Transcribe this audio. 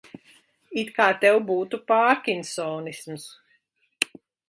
It kā tev būtu pārkinsonisms.